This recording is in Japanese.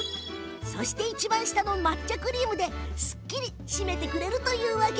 そしていちばん下の抹茶クリームでお口をすっきり締めるというわけ。